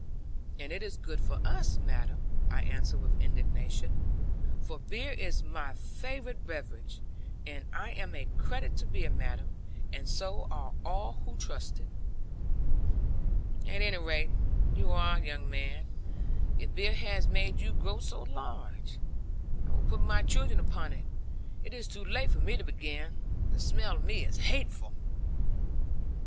'And it is good for us, madam,' I answered with indignation, for beer is my favourite beverage; 'and I am a credit to beer, madam; and so are all who trust to it.' 'At any rate, you are, young man. If beer has made you grow so large, I will put my children upon it; it is too late for me to begin. The smell to me is hateful.'